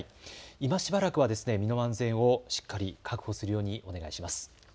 今しばらくは身の安全をしっかり確保するようにお願いします。